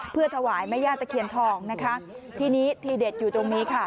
เพื่อถวายแม่ญาติบาทฯนะคะทีนี้ทีเด็ดอยู่ตรงนี้ค่ะ